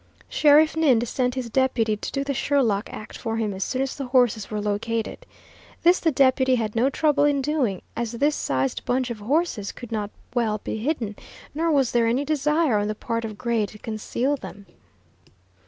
Sheriff Ninde sent his deputy to do the Sherlock act for him as soon as the horses were located. This the deputy had no trouble in doing, as this sized bunch of horses could not well be hidden, nor was there any desire on the part of Gray to conceal them.